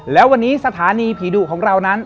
แล้ววันนี้สถานีผีดุของเรานั้น